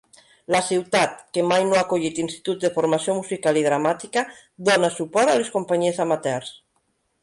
La ciutat, que mai no ha acollit instituts de formació musical i dramàtica, dóna suport a les companyies amateurs.